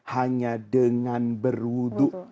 hanya dengan berwudhu